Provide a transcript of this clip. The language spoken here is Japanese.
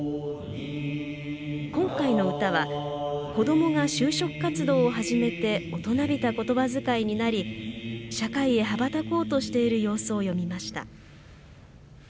今回の歌は子どもが就職活動を始めて大人びた言葉遣いになり社会へ羽ばたこうとしている様子を詠みました。